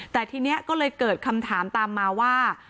แต่ทีนี้ก็เลยเกิดคำถามตามมาว่า